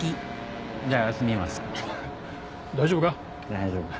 大丈夫か？